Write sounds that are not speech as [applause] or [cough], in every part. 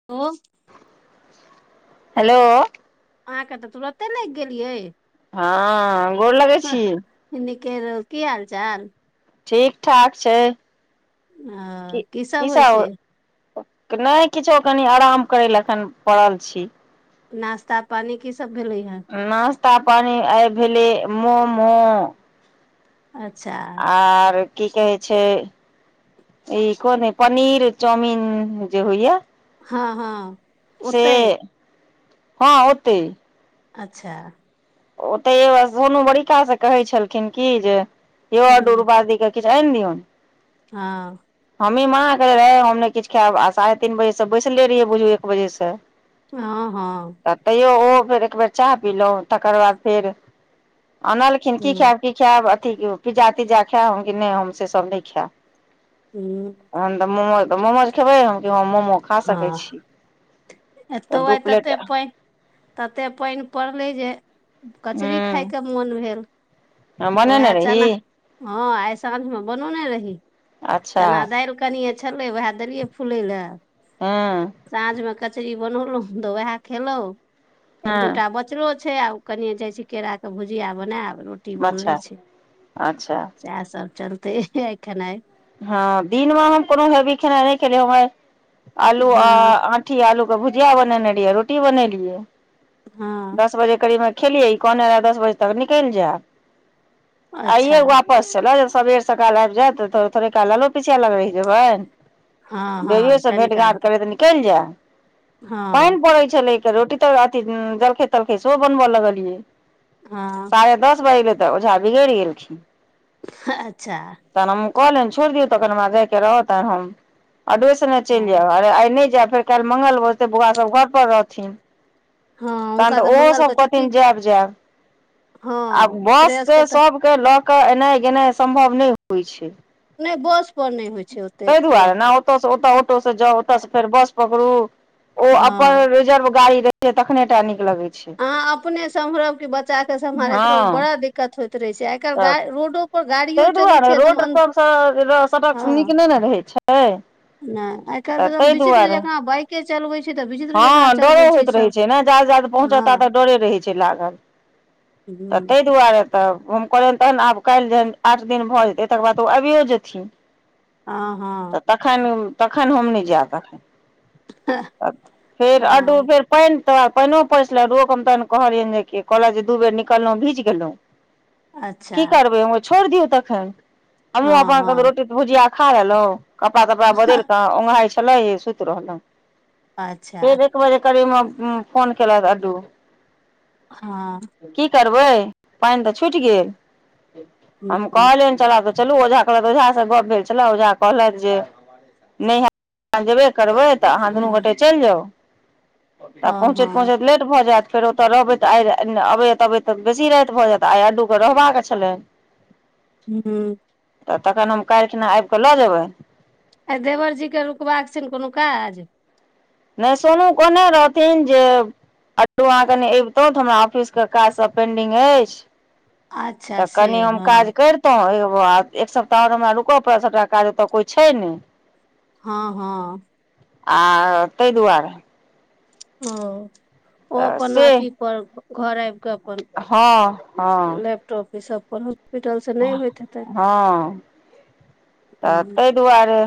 [unintelligible] Hello अहाँके त तुरते लागि गेल यै? हँ, गोर लगै छी। नीके रहु, की हाल चाल? ठीक ठाक छै। [inaudible] अ की, [inaudible] की होइ सब छै [inaudible] नै किछो कनी आराम करै ले एखन परल छी। नाश्ता पानी की सब भेलैया? नश्ता पानी आइ भेलै मोमो अच्छा। आर की कहे छै [inaudible] ई कोन पनीर चाउमीन जे होइया? हँ-हँ। से [inaudible] हँ ओतै‌। अच्छा। ओतै ओएह, सोनू बड़ी काल स कहै छलखिन की जे [inaudible] वैह हूँ दुरबादी के किछु आनि दियौन। हँ। हमहीं मना केलियै है हम ने किछु खाएब आ साढ़े तीन बजे सं बैसले रहियै बुझू एक बजे सं। हं-हं। त तैयो ओहो फेर एकबेर चाह पिलौं तकर बाद फेर [inaudible] अनलखिन की हूँ खाएब? की खाएब? अथी ओ पिज्जा तिज्जा खाएब, हम कहलियै नै हम से सब नै खाएब। हूं। तहन तऽ मोमोज तऽ मोमोज खेबै हम मोमो खा सकै हँ छी। तऽ एतौ दू आय प्लेट तते हूँ पैन तते पैन पड़लै जे- कचरी खायके मोन भेल। तऽ बनेने वएह रही चना हँ आय साँझ मे बनोने रही अच्छा चना दैल। कनिये छेलै वएह देलियै फुलै लेए। हँ। साँझ में कचरी बनौलौ तऽ उएह खेलौ एक हँ दूटा बच। कचड़ो छै आ कनए जाय छै केरा के भुजिया बनेेएब रोटी बनले अच्छा छै। अच्छा सेएह सब चलतै आय खनाय। हँ दिन मे हम कोनो हेवी खेनाय नै खेलियै है आलू आ हँ आं। ठी आलू के भुजिया बनेने रहियै रोटी बनेलियै हँ दस बजे करीबन। खेलियै कहने रहे दस बजे तक निकैल जेएब आ अच्छा आइये वापस- चलऽ यौ सबेर सकाल आइब जेएब तऽ थोड़े -थोड़े काल लालो पछिया लग रैह जेबै। हँ बेबियो हँ सँ कनि भेट काल -घाँट करैत निकैल जेएब हँ पैन पड़ै छेलै। तऽ रोटी तो अथि जलखेै- तलखेै सेहो बनबऽ लगलियै हँ साढ़े दस बैज गेल। तऽ ओझा बिगैर गेलखीन। ह-ह अच्छा तहन हम कहलयैन छोड़ दियौ तखन हम जायके रहत तऽ हम। ऑडवे संगे चैल हँ जेएब अरे आय नै जेएब फेर कैल्ह मंगल भजेतेै बौआ सब घर पर रहथिन। हँ तहन हुनका तऽ ओहो मंगलके सब छुट्टी कहथिन जेएब -जेएब। आ हँ बस श्रेयसके से तऽ सबके लऽ कऽ एनाइ गेनाइ सम्भव नै होय छै। नै बस पर नै। तैय दुआरे ने ओतऽ सँ ओतऽ ऑटोसँ जाउ ओतऽ सँ फेर बस पकड़ू। ओ अपन हँ रिजर्व गाड़ी रहेै छै तखनेटा नीक लगेै। आहाँ अपने सम्हरब कि बच्चा के सम्हारैत रहू बड़ा दिक्कत होयइत रहेै छै आय हँ तैय दुआरे रोड एकदम सबसे सड़क नीक नेै ने रहै छै। एँ नैय आय कैल्ह तऽ विचित्र जेंका बाइके चलबे छै तऽ विचित। हँ डरो होइत रहै छै ने जाद जाद हँ पहुँचब तात डरे रहै छै लागल। तऽ हूँ तैय दुआरे। तब हम कहलियैन तहन आब कैल्ह जे आठ दिन भऽ जेतै तकर बाद ओ आबिये जेथिन। आं हँ। तखैन- तखैन हम नै जेेएब तखैन फेर अडवो हँ फेर- पैन तो पैनो पसल रोक हम तऽ कहलियै जे कहल जे दू बेर निक- कहलौ भीज गेलौ अच्छा की करबै हम कहलि छोड़ दियौ तखैन। हमहूँ हँ अपन हँ रोटी भुजिया खा लेलौ कपड़ा -तपड़ा बदैल कऽ ओघायछी। तलाइ सुत रहलौ। आच्छा। एक बजे करीब मे फोन-फोन केलक अड्डू। हँ। की करबै पैन तऽ छुइट गेल हूँ हम कहलियै। चला तऽ चलू ओझा कहलैथ ओझा से गप भेल छेलाए ओझा कहलथि जे। नैहे [unintelligible] जेबे करबै? तऽ आहाँ दुनू हँ गोटे चैल जाउ तऽ हँ पहुँचैत हँ पहुँचैत लेट भऽ जेएत। फेर ओतऽ रहबै तऽ आयर अबै। तबे त बेसी राइत भ जैत आइ अड्डू के रहबाक छलनि। हू। त तखन हम काइल खिना आइब कऽ लऽ जेबैन। आ देवर जी के रुकबाक छैन कोनो काज? नै सोनू कहने रहथिन जे अट्टू अहाँ कनि अबितौं त हमरा ऑफिसके काज सब पेंडिंग अइछ। अच्छा त से कनि हम काज हँ कर तौं, आ एक सप्ताह हमरा रुकऽ पड़त सभटा काज ओतऽ कोई छैय नै हँ- हँ। आ तय दुआरे। ओ- ओ तऽ अपन से अथी पर घर आइब कऽ अपन हँ हँ लैपटॉप इ सब पर हॉस्पिटल से नै होइत हेतैन। हँ त हूँ तय दुआरे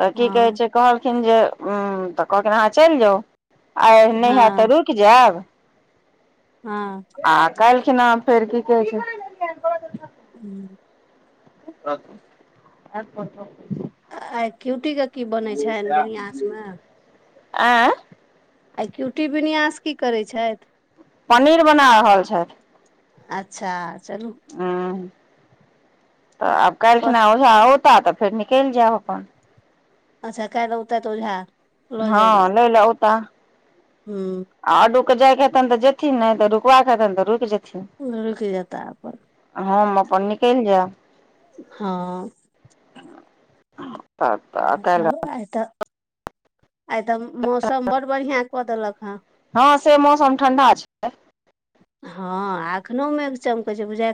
त की कहै हँ छैय। कहलखिन जे त कहलखिन अहाँ चैल जाउ आइ नै हैत त हँ रुइक जैब हँ। आ काइलखिना फेर की कहै छैय [inaudible] हू। [inaudible] आइ क्यूटीके की बनै छैन बिनियासमे। एँ। आ क्यूटी विन्यास की करै छैथ। पनीर बना रहल छैथ। अच्छा चलू एँ त आब काइलखिना ओझा औता त फेर निकैल जैब अपन। अच्छा काइल औतैत ओझा लो जाय लए। लय लए औता। हू। आ औडूके जायके हेतैन त जेथिन नै त रुकबाक हेतैन त रुकि जेथिन। रुकि जेता अपन। हम अपन निकैल जैब। हँ। ह इएहसभ आइ त, आइ त मौसम बडड बढ़ियाँ कऽ देलक हेँ। हँ से मौसम ठण्डा छैय आइ। हँ आ अखनो मेघ चमकै छैय बुझाइये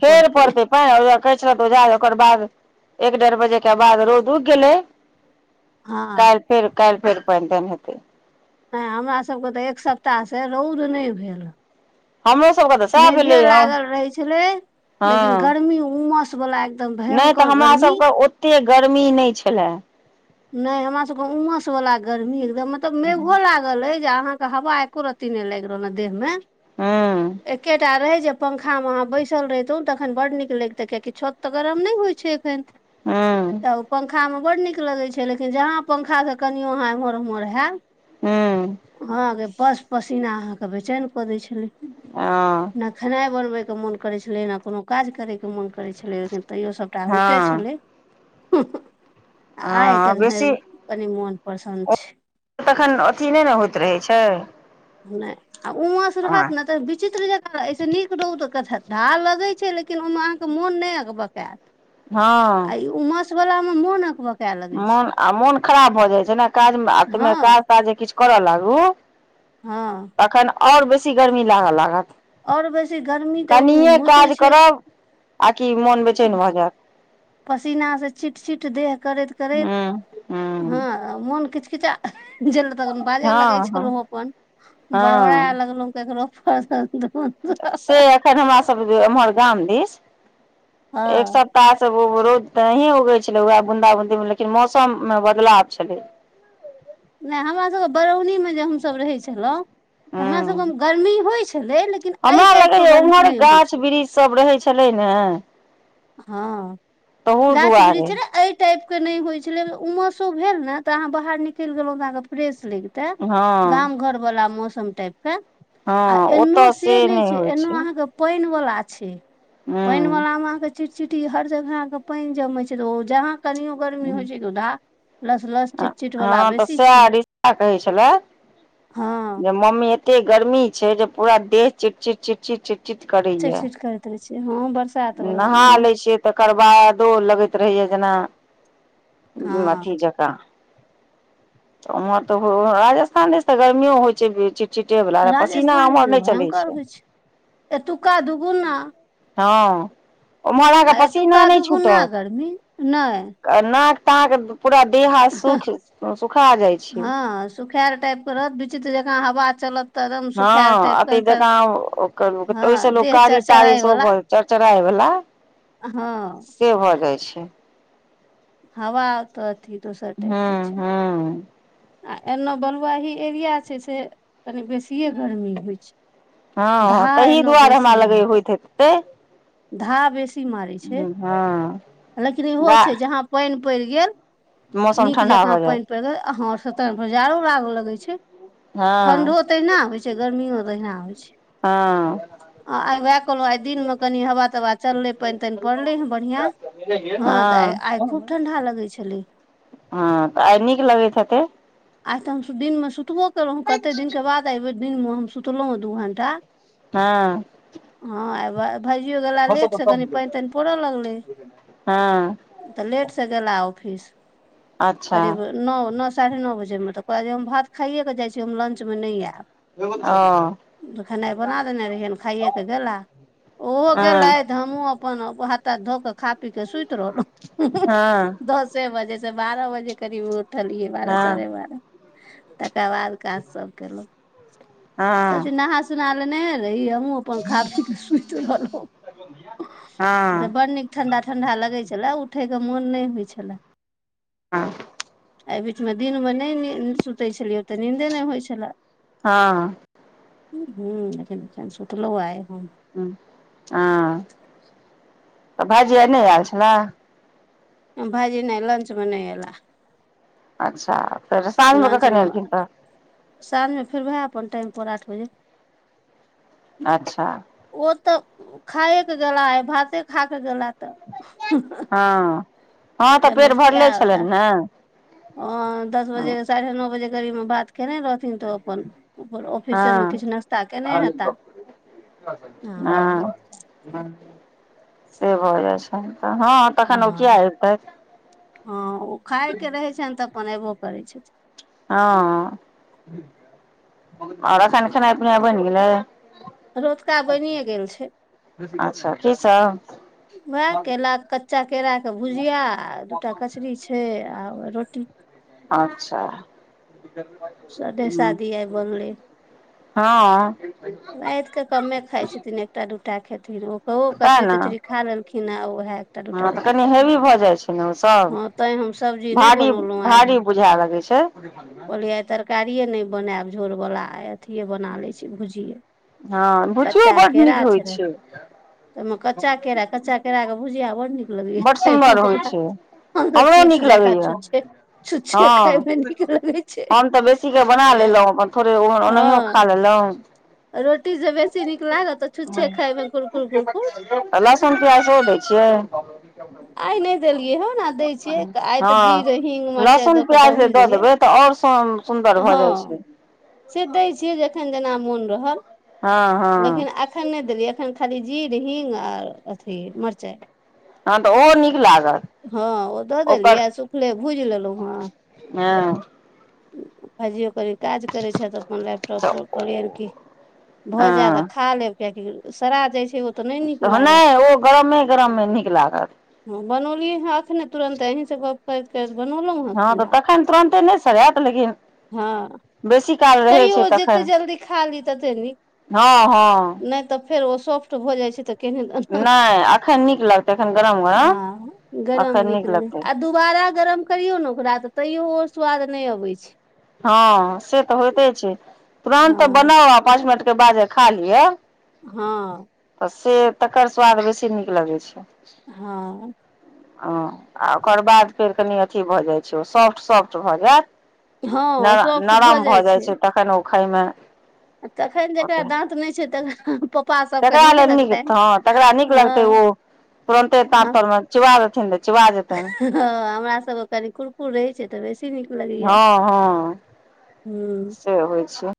फेर पड़तै। तैने [unintelligible] कहै छलैथ ओझा ओकर बाद एक डेढ़ बजे के बाद रौद उइग गेलै हँ काइल फेर काइल फेर पैन तैन हेतै। नै हमरासभके त एक सप्ताह से रौद नै भेलँहैं। हमरो सबके त सैह भेलैये हँ। खाली उमास बला एकदम नै त भयंकर हमरा गर्मी सबके ओते गर्मी नै छलए। नै हमरा सबके उमस वला गर्मी एकदम मतलब मेघो हूँ लाग लागल अय जे अहाँके हवा एको रती नै लाइग रहल अ देहमे, हूँ एकेटा रहय जे पंखा मे अहाँ बैसल रहितों तऽखन बड्ड नीक लगिते कियाकि छत तऽ गरम नहि होइ छै एखन हूँ तऽ ओ पंखा मे बड्ड नीक लगैय छै। छै लेकिन जहाँ पंखासँ कनिओ अहाँ एम्हर ओम्हर हैत। अहाँके बस पसीना अहाँके बेचैन कऽ दै छलैय। ओ न खेनाय बनवेय के मन करे छलेय ना कोनो काज करे के मन। करै छलैय लेकिन तैयो सभटा होइते हँ छलैय। हँ बेसी। कनी मोन पसन्द छैय। तखन अथी नहि नेयन होइत रहै छै नहि आ उमस हँ रहत ने तऽ विचित्र। एहिसँ नीक रोउद तऽ धार लगैत छै लेकिन ओहिमे अहाँकेँ मोन नहि बकायत। आ ई उमस वला मे मोनअकबाक। मोन आ मोन खराब भऽ जाइत छै ने काज आ हँ काज ताज जे किछु करय लागू हँ तखन आओर बेसी गर्मी लागऽ लागत। ओर बेसी तऽ गर्मी तऽ कनिये काज नोचैय छै। करब आकि मोन बेचैन भऽ जायत। पसीनासँ छीट-छीट देह करैत करैत, हूं हूं हँ, मोन किच-किचा। जे तल बाजे लगै हँ हँ छलहु अपन बड़बड़ा हँ लगलहु केकरो। हँस दो नही। से एखन हमरा सब एम्हर गाम दिस एक हँ सो। कुत्ता सब रोज तऽ नहि उगै छलै वएह बूंदा बूंदी मे लेकिन मौसम मे बदलाव छलैय। नहि हमरासभके बरौनीमे जे हमसभ रहै छलहुँ। तऽ हूं हमरासभके गर्मी होइत छलै लेकिन। एहि हमरा टाइपके लगैया गर्मी उम्हर नहि होइ गाछ छलै वृक्ष सब रहे छलैय ने। हँ तहू गाछ दुआरे बृक्ष। टाइप के नहि होइ छेलय उमसो भेल ने तऽ अहाँ बाहर निकलि गेलहुंऽ अहाँके फ्रेश लागि गेल। तऽ हँ गाम घर वाला मौसम टाइप के आ एनो से नहि छै एनो अहाँके पानि वला मे छै हूं पानि वाला मे अहाँ के। चिटचिटी हर जगह के पानि जमै छै तऽ ओ जहाँ कनियो गर्मी होइ छै उधा लस लस हँ चिटचिट वाला तऽ बेसी सएह छै रीस्ता कहै छलए। हँ जे मम्मी एते गर्मी छै जे पूरा देश चिटचिट चिटचिट चिटचिट करैया। चिटचिट करैत छै हँ बरसात वला नहा मे न लै छियै तकर बादो लगैत रहैया जेना अथी हँ जकाँ। तऽ उमहर तऽ राजस्थान दिश तऽ गर्मियो होइ छै विचित्र। चीटे वला पसीना राजस्थान उमहर जे नहि चलै भयंकर छै। होइ एतुका दुगुना। हँ उम्हर अहाँके आ पसीना एतुका दुूगुना गर्मी नहि। आ नाक ताक पूरा देह हाथ सुखि सुखा जाइ छै। सुखाले टाइप के रहत विचित्र जकाँ हवा चलत। तऽ एकदम सुखायल हँ, टाइप के अथी कर, जका ओहिस हँ लोक देह कारी तारी चरचराय वला भऽ। चर्चराय बला। हँ से भऽ जाइ छै। हवा अतऽ हूँ -हूँ आ एन्ना बलुआही एरिया छै से कनि बेसिए गर्मी होइत छै। हँ- हँ धा ताहि एनो दुआरे हमरा बेसी लग अहाँके होइत हेतै। धा बेसी मारै छै हँ लेकिन इहो गा छै जहाँ पाइन पड़ गेल मौसम नीक ठण्डा जका भऽ जाय पाइन पड़ गेल हहं से त पर जाड़ू राग लगे छै। हँ ठण्डो तहिना होइ छै, गर्मियो तअहिना होइ छै। हँ आ आइ उएह कहलहुँ आइ दिनमे कनि हवा तवा चललै पईन तईन पड़लै हे बढ़िआं। हँ तऽ आइ आइ खूब ठंढा लगै छलै। हँ तऽ आई नीक लगैत हेतै। आइ तऽ हम दिनमे सुतबो कयलहुँ कतेक दिनके बाद अयबै दिनमे हम सुतलहुँ दू घण्टा। हँ हँ, आ भाजिओ गेला लेटसँ कनि पाईन ताईन पड़य लगलै। हँ तऽ लेट से गेला ऑफिस अच्छा करीब नओ -नओ साढ़े नओ बजेमे तऽ कह जे हम भात खाइएकेऽ जाइ छी हम लंचमे नई ऐब ऐ गो आ खेनाइ बना देने रहियैन खाइे के गेला ओहो हँ गेलेइथ हमहुँ - हमुह अपन हाथ तात धोक क खा पी के सुइत रहलउ ऊँ -ऊँ हँ दस चे बजे से बारह बजे करीब उठलियै बारह हँ साढ़े बारह तकर बाद काज सब केलहुँ सबचीज हँ नहा सुोना लेन्हे रहहि हमूँ अपन खा पी क सुइत रहलहु हँ बड नीक ठंडा -ठंडा लगै छलए उठयके मुन नै होइ छलए। हँ एई बीचमे दिनमे नएनीद सुतै छलियै त नीन्दे नै होइ छलैए। हँ हुँ अछेन बिछेन सुतलो आय हम हुं हँ तऽ भाजी आई नय आयल छलाए। भाजी नए लंचमे नइ ऐला। अच्छा फेर साँझमे कखन लंचमे एलखिन तऽ साँझमे फेर ओएह अपन टाइम पर आठ बजे अच्छा ओ तऽ खाए क गेला आए भाते खा क गेला तऽ हँ- हँ तऽ तखन पेट भरले छलइन ने ह दस बजे साढ़े नओ बजे करीबमे भात केयने रहथिन तऽ ओ अपन अपन ऑफिसेमे हँ किछ नाश्ता केने हेताह हँ ह से भऽ जाइ छएन तऽ हँ तखन ओ किया हँ- अबितै हँ ओ खायके रहै छनि तऽ अपन अयबो करै छथिन हँ ओर अखन खेनाइ पिनाइ बइन गेलै। रतुका बनिए गेल छै। अच्छा की सब उएह केला कच्चा केराके भुजिया आ दू टा कचरी छइ आ रोटी अच्छा। सदे- सादी आइ बनलै। हँऽ। राइत के कमे खाइ छथिन, एकटा -दूटा खेथिन ओ ओ सएह कचरी- ने तचरी खा लेलखिन हऽ आ ओएह एकटा हँ दूटा तऽ रोटी कनि खेता हेवी भऽ जाइ छै ने ओसभ हँ। तै हम सब्जी नहि भारी बनौलहुँ आइ हम। भारी बुझाय लगै छै कहलियै आ तरकारिये नहि बनायब झोर बाला, आ अथिये बना ले छी भुजिये। हँ भुजीयो बड्ड नीक होइ छै। तऽहिमे कच्चा केरा, कच्चा केरा के भुजिया बड़ नीक लगैया। बड्ड खायमे सुन्दर होइ हमरा छै, हम तऽ हमरो चिप्स नीक जकाँ लगैया। छुच्छे छुच्छे हँ खायमे नीक लगै छै हम तऽ बेसी के बना लेलहुँ, अपन थोड़े ओनाहियो खा हँ ले रहूं। रोटी से बेसी नीक लागत, तऽ छुच्छे खायमें कुरकुर- कुरकुर। लहसुन प्याज सेहो दै छियै। आइ नहि देलियै हऽ। दै छियै आइ तऽ हँ जीर, हींग, मिरचाई लहसुन दऽ के प्याज जे ब-भू दऽ देबै तऽ आओर सुन्दर भऽ जाइ छै। से दै छियै जखन जेना मोन रहल। हँ हँ लेकिन अखन नहि देलियै, एखन खाली जीर, हींग, आर अथी मिर्चाई। हँ तऽ ओहो निक हँ ओ दऽ देलियै, सुखले भुजि लेलहुँ हेँ। हँ। भायजियै ओ कर काज करै छैत अपन लैपटॉप तऽ पर, कहलियैन की भऽ जायत आ खा लेब। कआकि सरा जेई छै ओ तऽ नहि नीक नै लागत ओ गरमे -गरमे नीक लागत। हँ बनौलियै हँ अखने तुरन्ते, अहीं सँ गप करैत- करैत बनेलहुँ। हँ तऽ तखन तुरन्ते नहि सरआयत लेकिन हँ बेसी काल रहै छै तैयो जते तखन, जल्दी खा ली तते नीक हँ -हँं। नहि तऽ फेर ओ सॉफ्ट भऽ जाइत छै तऽ केहेनदन हंऽ नहि एखन नीक लगतै एखन गरम गरम आ गरम एखन निक नीक लगै छै। लगतै आ दू दुबारा गरम करियों ने ओकरा, तऽ तैयो ऊ स्वाद नै अबे छैय। हँ से तऽ होइते छै, तुरन्तऽ हँ बनाउ आ पाँच मिनट के बाद जे खा लिअ। हँऽ। से तकर स्वाद बेसी नीक लगैत छै। हँ। हँ आ ओकर बाद फेर कनि अथि भऽ जाइ छै, सॉफ्ट सॉफ्ट भऽ जायत। न- नराम भऽ जाइ छै तखन ओ खाायमेँ तखन जेकरा दाँत नहि छै त तकरा लेल नीक हँ, तकरा नीक लगते हँ ओ, तुरन्तेँ हँ दाँततर मेँ चिबा देथिन। चिबा जेतैन। हँ हमरा सब केँ कनी कुरकुर रहे छै तऽ बेसी नीक। लगैया हँ- हँ हूँ से होइ छै।